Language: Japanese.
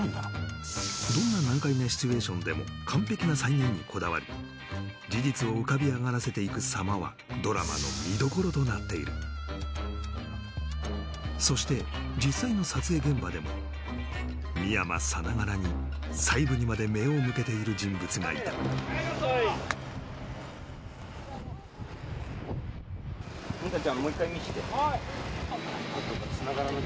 どんな難解なシチュエーションでも完璧な再現にこだわり事実を浮かび上がらせていくさまはドラマの見どころとなっているそして実際の撮影現場でも深山さながらに細部にまで目を向けている人物がいたはいカット！